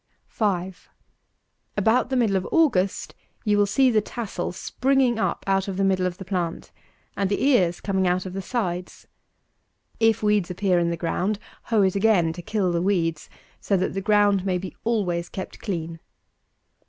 5. About the middle of August you will see the tassel springing up out of the middle of the plant, and the ears coming out of the sides. If weeds appear in the ground, hoe it again to kill the weeds, so that the ground may be always kept clean.